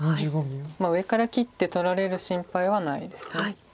上から切って取られる心配はないです。